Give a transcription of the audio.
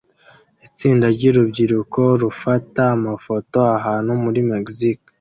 Itsinda ryurubyiruko rufata amafoto ahantu muri Mexico